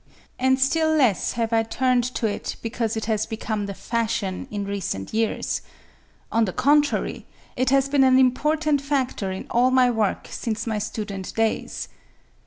And still less have I turned to it because it has become the fashion in recent years. On the contrary, it has been an important factor in all my work since my student days.